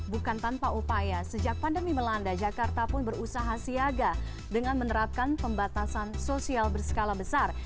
bukan tanpa upaya sejak pandemi melanda jakarta pun berusaha siaga dengan menerapkan pembatasan sosial berskala besar